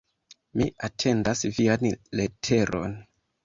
Mi atendas vian leteron.